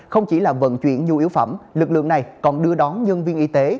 không chỉ là vận chuyển nhu yếu phẩm lực lượng này còn đưa đón nhân viên y tế